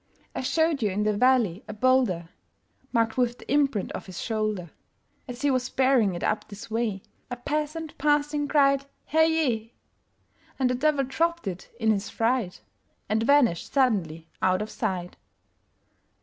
I showed you in the valley a boulderMarked with the imprint of his shoulder; As he was bearing it up this way,A peasant, passing, cried, "Herr Jé!"And the Devil dropped it in his fright, And vanished suddenly out of sight!